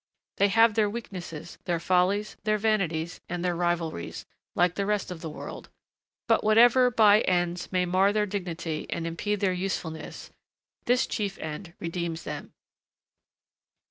They have their weaknesses, their follies, their vanities, and their rivalries, like the rest of the world; but whatever by ends may mar their dignity and impede their usefulness, this chief end redeems them.